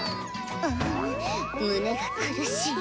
あん胸が苦しい。